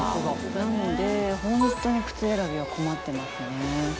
なのでホントに靴選びは困ってますね。